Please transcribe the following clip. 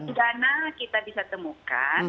sanksi pidana kita bisa temukan